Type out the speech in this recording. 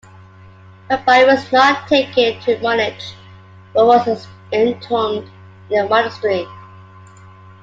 Her body was not taken to Munich but was entombed in the monastery.